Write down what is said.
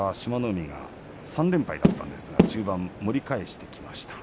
海が３連敗だったんですが中盤、盛り返してきました。